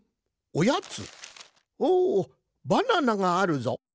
おおバナナがあるぞ。